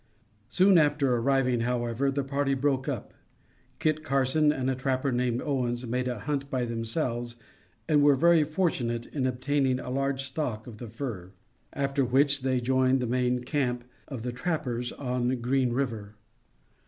Soon after arriving, however, the party broke up. Kit Carson and a trapper named Owens made a hunt by themselves and were very fortunate in obtaining a large stock of the fur. After which they joined the main camp of the trappers on Green River.